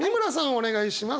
お願いします。